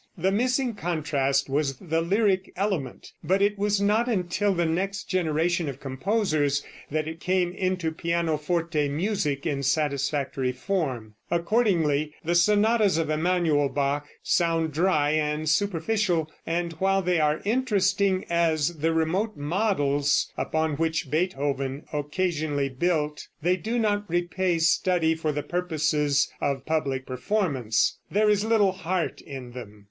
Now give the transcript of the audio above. The missing contrast was the lyric element, but it was not until the next generation of composers that it came into pianoforte music in satisfactory form. Accordingly the sonatas of Emanuel Bach sound dry and superficial, and while they are interesting as the remote models upon which Beethoven occasionally built, they do not repay study for the purposes of public performance. There is little heart in them.